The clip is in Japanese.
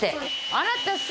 あなたさ。